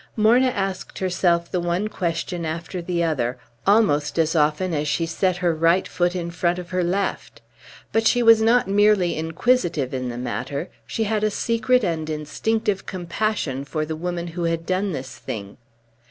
Morna asked herself the one question after the other, almost as often as she set her right foot in front of her left; but she was not merely inquisitive in the matter, she had a secret and instinctive compassion for the woman who had done this thing.